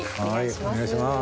お願いします。